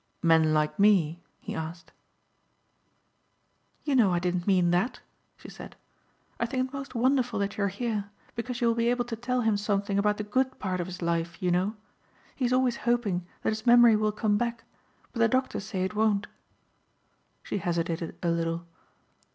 "Men like me," he asked. "You know I didn't mean that," she said. "I think it most wonderful that you are here, because you will be able to tell him something about the good part of his life you know. He is always hoping that his memory will come back but the doctors say it won't." She hesitated a little.